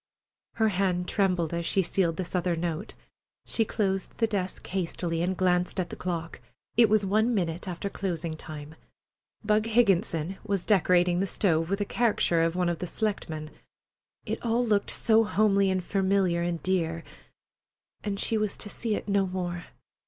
Her hand trembled as she sealed this other note. She closed the desk hastily and glanced at the clock. It was one minute after closing time. Bug Higginson was decorating the stove with a caricature of one of the selectmen. It all looked so homely and familiar and dear, and she was to see it no more!